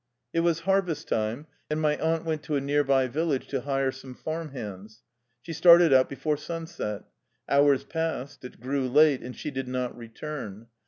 It was harvest time, and my aunt went to a near by vil lage to hire some farm hands. She started out before sunset. Hours passed, it grew late, and she did not return.